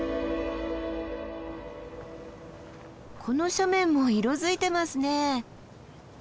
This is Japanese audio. この斜面も色づいてますね。